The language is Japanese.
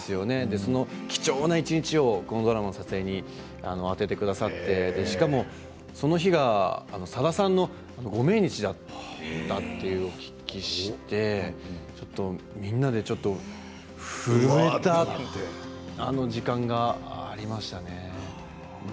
その貴重な一日をこのドラマに当ててくださってしかもその日が佐田啓二さんの命日だったということで皆さんで震えたというそういう時間がありましたね。